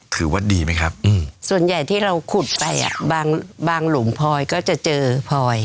ถือว่าดีไหมครับส่วนใหญ่ที่เราขุดไปอ่ะบางหลุมพลอยก็จะเจอพลอย